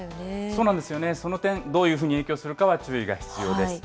そうなんですよね、その点、どういうふうに影響するかは注意が必要です。